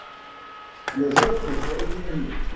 Les autres sont éliminés.